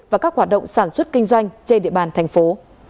và các hoạt động sản xuất kinh doanh trên địa bàn thành phố